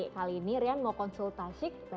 kali ini rian mau konsultasi